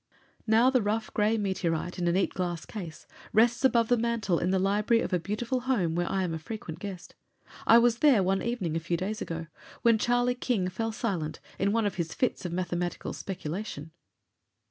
Now the rough gray meteorite, in a neat glass case, rests above the mantel in the library of a beautiful home where I am a frequent guest. I was there one evening, a few days ago, when Charlie King fell silent in one of his fits of mathematical speculation.